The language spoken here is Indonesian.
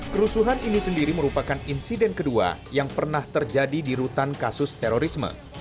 kerusuhan ini sendiri merupakan insiden kedua yang pernah terjadi di rutan kasus terorisme